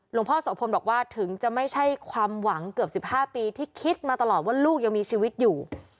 หลวงพ่อโสพลบอกว่าถึงจะไม่ใช่ความหวังเกือบ๑๕ปีที่คิดมาตลอดว่าลูกยังมีชีวิตอยู่